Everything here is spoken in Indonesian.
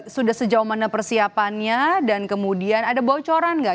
sudah sejauh mana persiapannya dan kemudian ada bocoran nggak